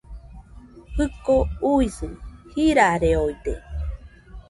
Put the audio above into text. Jɨko uisɨ jirareoide